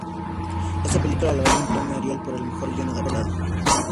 Esta película le valió un premio Ariel por el mejor guion adaptado.